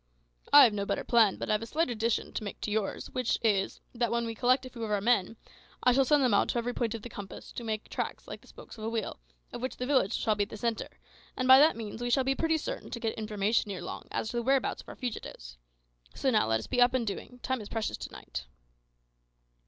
"I have no better plan, but I have a slight addition to make to yours, which is, that when we collect a few of our men, I shall send them out to every point of the compass, to make tracks like the spokes of a wheel, of which the village shall be the centre; and by that means we shall be pretty certain to get information ere long as to the whereabouts of our fugitives. So now let us be up and doing; time is precious to night."